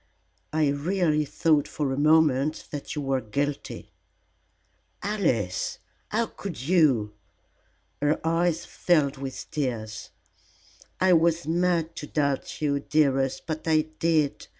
I really thought for a moment that you were guilty." "Alice, how could you?" Her eyes filled with tears. "I was mad to doubt you, dearest, but I did.